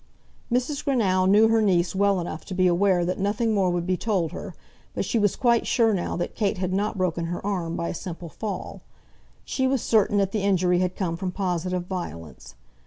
Mrs. Greenow knew her niece well enough to be aware that nothing more would be told her, but she was quite sure now that Kate had not broken her arm by a simple fall. She was certain that the injury had come from positive violence.